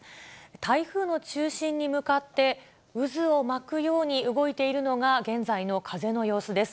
台風の中心に向かって渦を巻くように動いているのが、現在の風の様子です。